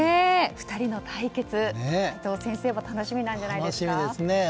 ２人の対決、齋藤先生も楽しみなんじゃないですか？